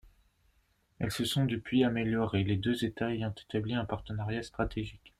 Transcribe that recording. Elles se sont depuis améliorées, les deux États ayant établi un partenariat stratégique.